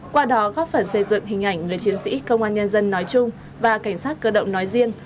qua đó góp phần xây dựng hình ảnh người chiến sĩ công an nhân dân nói chung và cảnh sát cơ động nói riêng